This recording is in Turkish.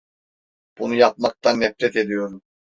Bunu yapmaktan nefret ediyorum.